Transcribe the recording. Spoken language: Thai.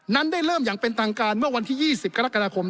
นั้นได้เริ่มอย่างเป็นทางการเมื่อวันที่๒๐กรกฎาคม